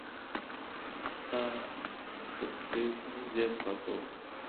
ستا د پښې پايزيب خلاصوم